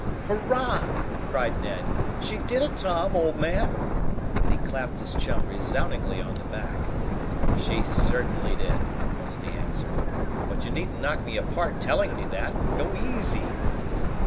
"Hurrah!" cried Ned. "She did it, Tom, old man!" and he clapped his chum resoundingly on the back. "She certainly did!" was the answer. "But you needn't knock me apart telling me that. Go easy!"